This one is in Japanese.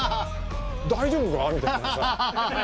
大丈夫か？みたいな。